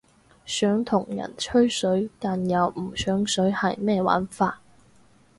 想同人吹水但又唔上水係咩玩法？